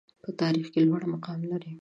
په تاریخ کې لوړ مقام لري.